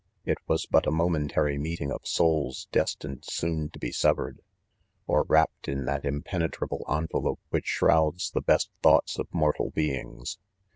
It was bet a momentary meeting of souls destined soon to be severed, or wrapt in that impenetrable envelop which shrouds the best thoughts of mortal beings.